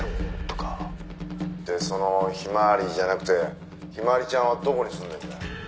「でそのひまわりじゃなくて陽葵ちゃんはどこに住んでんだよ」